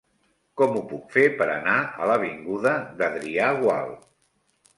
Com ho puc fer per anar a l'avinguda d'Adrià Gual?